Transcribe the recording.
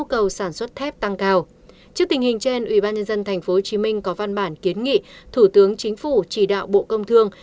trước tình hình trên tp hcm có văn bản kiến nghị thủ tướng chính phủ chỉ đạo bộ công thương